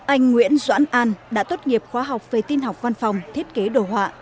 anh nguyễn doãn an đã tốt nghiệp khoa học về tin học văn phòng thiết kế đồ họa